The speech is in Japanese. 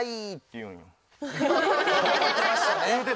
言うてましたね。